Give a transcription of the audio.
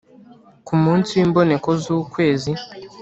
Ku munsi w imboneko z ukwezi